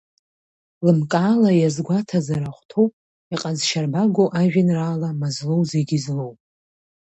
Лымкаала иазгәаҭазар ахәҭоуп, иҟазшьарбагоу ажәеинраала Мазлоу зегьы злоу.